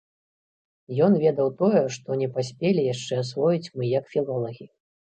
Ён ведаў тое, што не паспелі яшчэ асвоіць мы як філолагі.